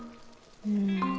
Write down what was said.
うん。